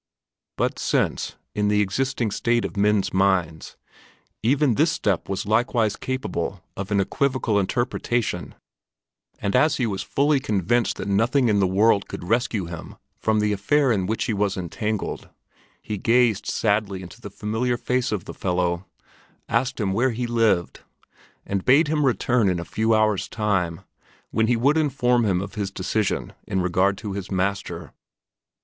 But since, in the existing state of men's minds, even this step was likewise capable of an equivocal interpretation, and as he was fully convinced that nothing in the world could rescue him from the affair in which he was entangled, be gazed sadly into the familiar face of the fellow, asked him where he lived, and bade him return in a few hours' time, when he would inform him of his decision in regard to his master.